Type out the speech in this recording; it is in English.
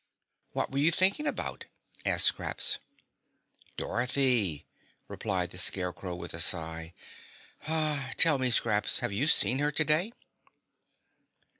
"What were you thinking about?" asked Scraps. "Dorothy," replied the Scarecrow with a sigh. "Tell me, Scraps, have you seen her today?"